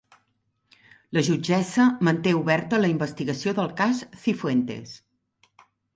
La jutgessa manté oberta la investigació del cas Cifuentes.